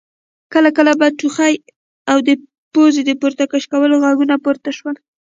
کله کله به ټوخی او د پزو د پورته کشېدو غږونه پورته شول.